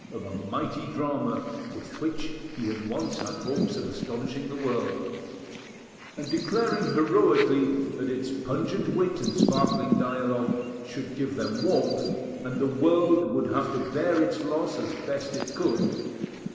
of a mighty drama with which he had once had hopes of astonishing the world, and declaring heroically that its pungent wit and sparkling dialogue should give them warmth, and the world would have to bear its loss as best it could.